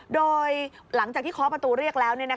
โดยหลังจากที่เคาะประตูเรียกแล้ว